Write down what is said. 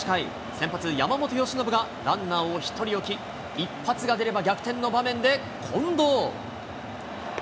先発、山本由伸がランナーを１人置き、一発が出れば逆転の場面で、近藤。